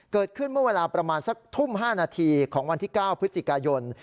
เมื่อเวลาประมาณสักทุ่ม๕นาทีของวันที่๙พฤศจิกายน